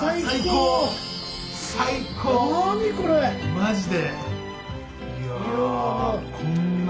マジで。